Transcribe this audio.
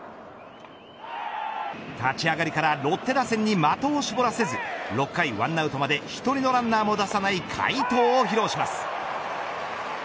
立ち上がりからロッテ打線に的を絞らせず６回１アウトまで１人のランナーも出さない快投を披露します。